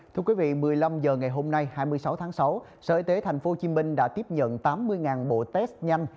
thưa quý vị một mươi năm h ngày hôm nay hai mươi sáu tháng sáu sở y tế tp hcm đã tiếp nhận tám mươi bộ test nhanh